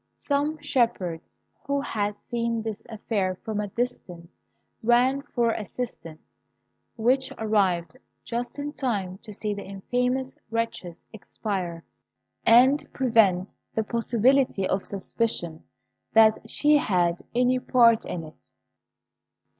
Some shepherds who had seen this affair from a distance ran for assistance, which arrived just in time to see the infamous wretches expire, and prevent the possibility of suspicion that she had any part in it.